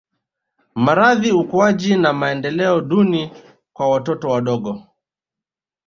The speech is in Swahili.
Maradhi ukuaji na maendeleo duni kwa watoto wadogo